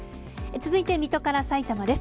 続いて水戸からさいたまです。